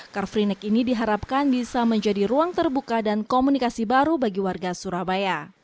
car free night ini diharapkan bisa menjadi ruang terbuka dan komunikasi baru bagi warga surabaya